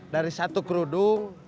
dari satu kerudung